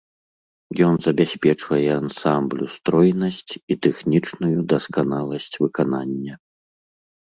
Ён забяспечвае ансамблю стройнасць і тэхнічную дасканаласць выканання.